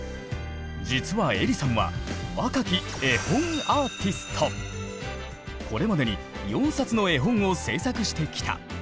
実はえりさんは若きこれまでに４冊の絵本を制作してきた。